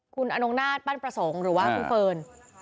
คุณอนงนาฏปั้นประสงค์หรือว่าคุณเฟิร์น